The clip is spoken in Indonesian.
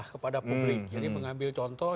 kepada publik jadi mengambil contoh